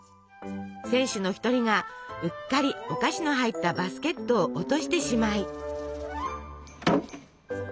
選手の一人がうっかりお菓子の入ったバスケットを落としてしまい。